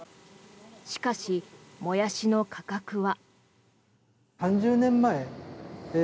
しかし、モヤシの価格は。